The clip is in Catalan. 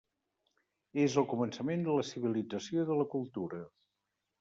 És el començament de la civilització i de la cultura.